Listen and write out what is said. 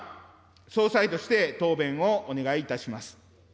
総裁として答弁をお願いいたします。